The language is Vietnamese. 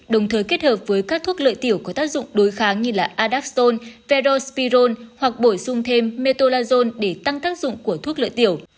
đồng thời kết hợp với các thuốc lợi tiểu có tác dụng đối kháng như là adapton verospiron hoặc bổ sung thêm metolazone để tăng tác dụng của thuốc lợi tiểu